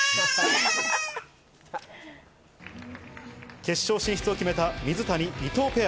決勝進出を決めた水谷・伊藤ペア。